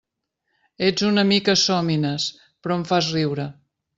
Ets una mica sòmines, però em fas riure.